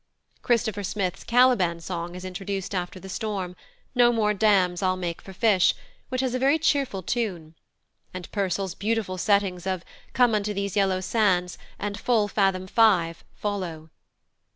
Christopher Smith's Caliban song is introduced after the "Storm" "No more dams I'll make for fish," which has a very cheerful tune; and Purcell's beautiful settings of "Come unto these yellow sands" and "Full fathom five" follow.